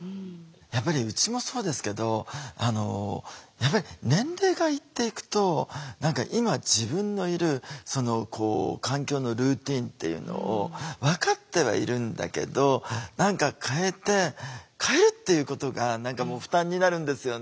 やっぱりうちもそうですけど年齢がいっていくと今自分のいる環境のルーティンっていうのを分かってはいるんだけど何か変えて変えるっていうことが何かもう負担になるんですよね。